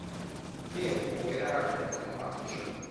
列布维莱尔人口变化图示